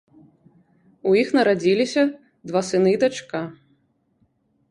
У іх нарадзіліся два сыны і дачка.